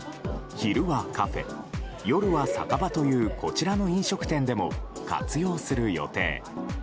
昼はカフェ、夜は酒場というこちらの飲食店でも活用する予定。